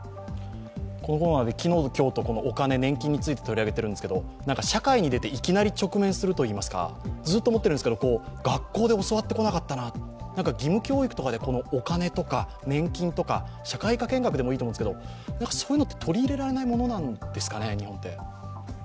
このコーナーで、昨日と今日で、お金、年金について取り上げてますけど社会に出て、いきなり直面するといいますか、ずっと思ってるんですが学校で教わってこなかったな、義務教育でこのお金とか、年金とか社会科見学でもいいんですけどそういうものって取り入れられないものなんですかね？